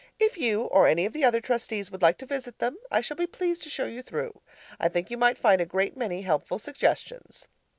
If you or any of the other Trustees would like to visit them, I shall be pleased to show you through. I think you might find a great many helpful suggestions.